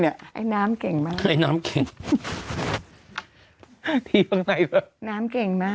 ไอ้น้ำเก่งมาก